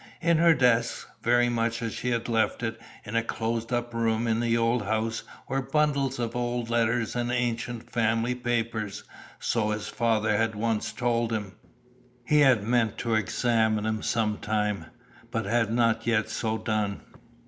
In her desk, very much as she had left it, in a closed up room in the old house, were bundles of old letters and ancient family papers, so his father had once told him; he had meant to examine them some time, but had not yet so done.